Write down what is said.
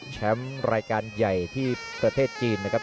รายการใหญ่ที่ประเทศจีนนะครับ